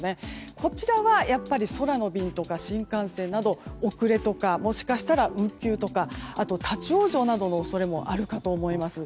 こちらは空の便とか新幹線など遅れとかもしかしたら運休とか立ち往生などの恐れもあるかと思います。